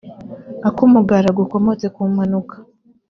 ukumugara gukomotse ku mpanuka